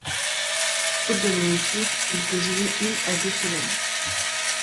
Faute de nourriture, il peut jeûner une à deux semaines.